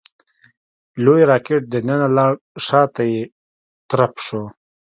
لوی ګټ دننه لاړ شاته يې ترپ شو.